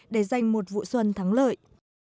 để giành một vụ xuân thắng lợi